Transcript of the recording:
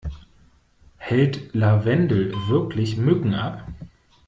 Hält Lavendel wirklich Mücken ab?